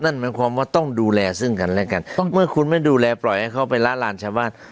นั่นหมายความว่าต้องดูแลซึ่งกันและกันเมื่อคุณไม่ดูแลปล่อยให้เขาไปละลานชาวบ้าน